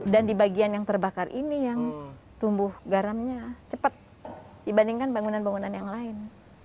dan di bagian yang terbakar ini yang tumbuh garamnya cepat dibandingkan bangunan bangunan yang lain